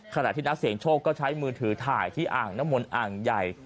ขณะที่นักเสียงโชคก็ใช้มือถือถ่ายที่อ่างน้ำมนต์อ่างใหญ่